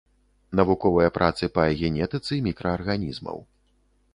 Навуковыя працы па генетыцы мікраарганізмаў.